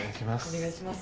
・お願いします